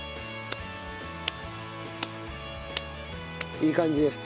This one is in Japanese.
いい感じです。